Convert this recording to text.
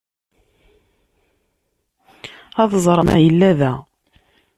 Ad ẓreɣ ma yella da.